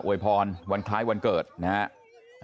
อวยพรวันคล้ายวันเกิดนะฮะ